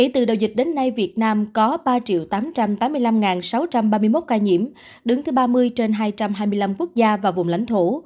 từ đầu dịch đến nay việt nam có ba tám trăm tám mươi năm sáu trăm ba mươi một ca nhiễm đứng thứ ba mươi trên hai trăm hai mươi năm quốc gia và vùng lãnh thổ